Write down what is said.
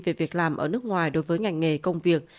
về việc làm ở nước ngoài đối với ngành nghề công việc